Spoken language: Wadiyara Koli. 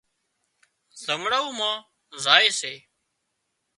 زمڙائو مان زائي سي